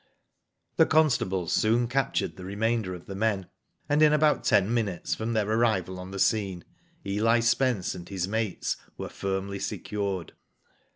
The constables soon captured the remainder of the men, and in about ten minutes from their arrival on the scene, Eli Spence and his mates were firmly secured.